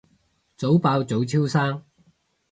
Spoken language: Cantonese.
早爆早超生